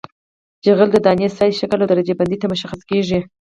جغل د دانې سایز شکل او درجه بندۍ ته مشخص کیږي